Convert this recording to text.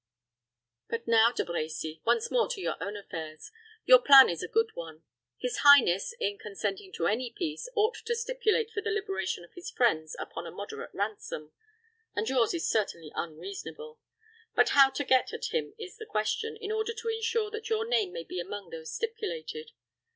But now, De Brecy, once more to your own affairs. Your plan is a good one. His highness, in consenting to any peace, ought to stipulate for the liberation of his friends upon a moderate ransom and yours is certainly unreasonable. But how to get at him is the question, in order to insure that your name may be among those stipulated.